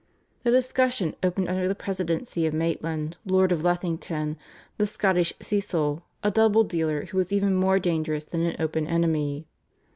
The discussion opened under the presidency of Maitland, Lord of Lethington, the Scottish Cecil, a double dealer who was even more dangerous than an open enemy.